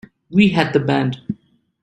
We had the band.